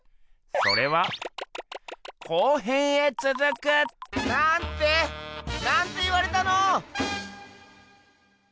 それは後編へつづく！なんて？なんて言われたの？